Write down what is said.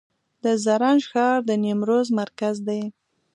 د زرنج ښار د نیمروز مرکز دی